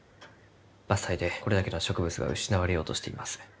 伐採でこれだけの植物が失われようとしています。